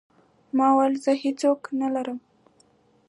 ما وويل زه هېڅ څوک نه لرم.